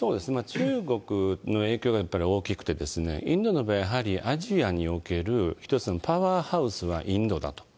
中国の影響がやっぱり大きくて、インドの場合やはり、アジアにおける一つのパワーハウスはインドだと。